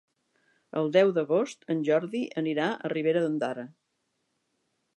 El deu d'agost en Jordi anirà a Ribera d'Ondara.